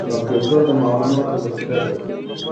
کمپیوټر د معلوماتو ذخیره ده